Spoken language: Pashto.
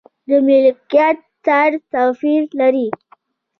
د ملکیت طرز توپیر لري.